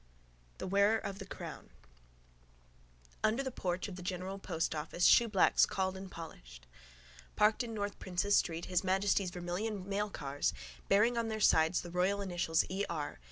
THE WEARER OF THE CROWN Under the porch of the general post office shoeblacks called and polished. Parked in North Prince's street His Majesty's vermilion mailcars, bearing on their sides the royal initials, E. R.